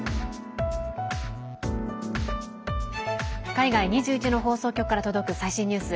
海外２１の放送局から届く最新ニュース。